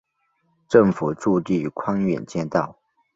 政府驻地匡远街道。